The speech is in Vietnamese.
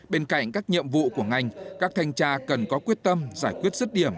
bên cạnh các nhiệm vụ của ngành các thanh tra cần có quyết tâm giải quyết rứt điểm